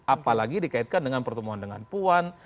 apalagi dikaitkan dengan pertemuan dengan puan